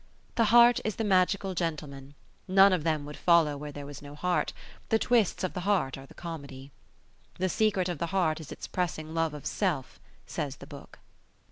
The heart is the magical gentleman. None of them would follow where there was no heart. The twists of the heart are the comedy. "The secret of the heart is its pressing love of self ", says the Book.